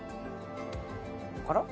あら？